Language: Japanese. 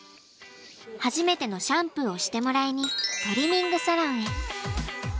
初めてのシャンプーをしてもらいにトリミングサロンへ。